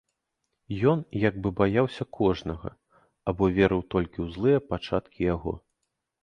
Ён як бы баяўся кожнага або верыў толькі ў злыя пачаткі яго.